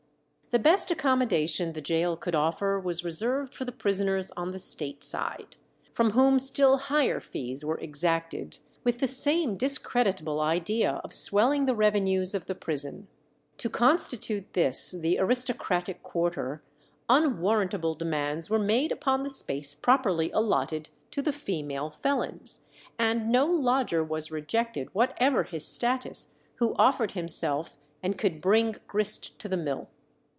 The best accommodation the gaol could offer was reserved for the prisoners on the state side, from whom still higher fees were exacted, with the same discreditable idea of swelling the revenues of the prison. To constitute this the aristocratic quarter, unwarrantable demands were made upon the space properly allotted to the female felons, and no lodger was rejected, whatever his status, who offered himself and could bring grist to the mill.